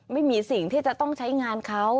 ไม่มีสิ่งที่จะต้องใช้งานเขา